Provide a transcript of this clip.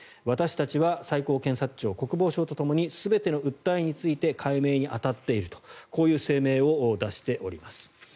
私たちは最高検察庁国防省とともに全ての訴えについて解明に当たっているとこういう声明を出しております。